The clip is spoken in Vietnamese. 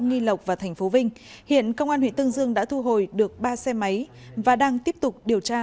nghi lộc và tp vinh hiện công an huyện tương dương đã thu hồi được ba xe máy và đang tiếp tục điều tra